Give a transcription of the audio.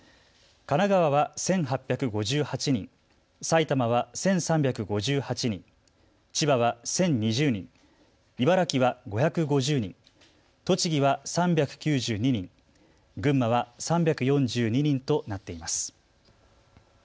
神奈川は１８５８人、埼玉は１３５８人、千葉は１０２０人、茨城は５５０人、栃木は３９２人、群馬は３４２人となっています。